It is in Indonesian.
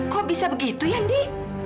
kok bisa begitu ya ni